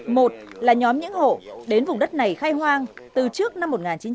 một là nhóm những hộ đến vùng đất này khai hoang từ trước năm một nghìn chín trăm bảy mươi